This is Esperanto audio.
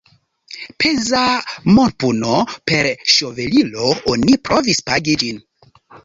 Peza monpuno – per ŝovelilo oni provis pagi ĝin.